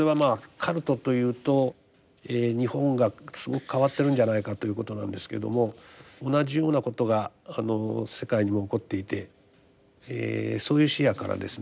カルトというと日本がすごく変わってるんじゃないかということなんですけども同じようなことが世界にも起こっていてそういう視野からですね